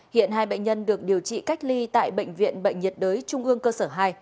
hiện hai bệnh nhân được điều trị cách ly tại bệnh viện bệnh nhiệt đới trung ương cơ sở hai